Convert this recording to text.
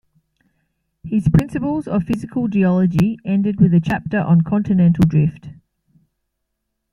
His "Principles of Physical Geology" ended with a chapter on continental drift.